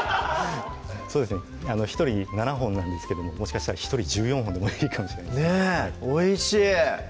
そうですね１人７本なんですけどももしかしたら１人１４本でもいいかもしれないねぇおいしい！